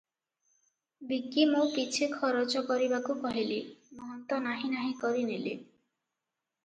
ବିକି ମୋ ପିଛେ ଖରଚ କରିବାକୁ କହିଲି ।ମହନ୍ତ ନାହିଁ ନାହିଁ କରି ନେଲେ ।